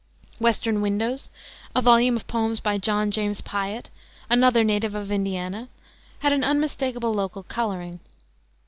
Western Windows, a volume of poems by John James Piatt, another native of Indiana, had an unmistakable local coloring.